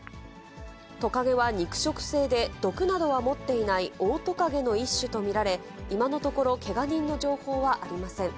トカゲは肉食性で、毒などは持っていないオオトカゲの一種と見られ、今のところけが人の情報はありません。